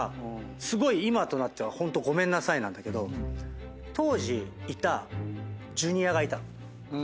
すごい今となってはホントごめんなさいなんだけど当時いたＪｒ．がいたの。